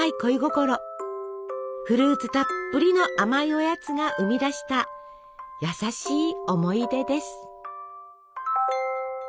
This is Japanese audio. フルーツたっぷりの甘いおやつが生み出した優しい思い出です。